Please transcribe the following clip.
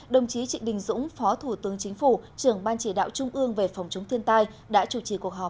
đồng chí trịnh đình dũng phó thủ tướng chính phủ trưởng ban chỉ đạo trung ương về phòng chống thiên tai đã chủ trì cuộc họp